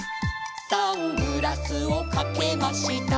「サングラスをかけました」